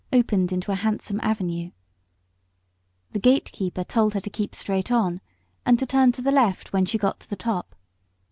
It opened into a handsome avenue, and the gatekeeper told her to keep straight on, and to turn to the left when she got to the top.